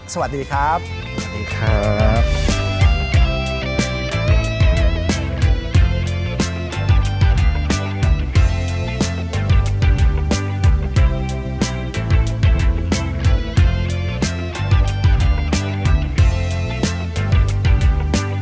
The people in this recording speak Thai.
สวัสดีครับสวัสดีครับ